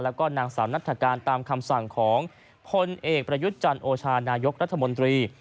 แล้วก็นางสาวนัฐการตามคำสั่งของพลเอกประยุทธ์จันโอชานายกรัฐมนตรี